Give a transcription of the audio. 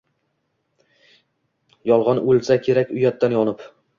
yolg’on o’lsa kerak uyatdan yonib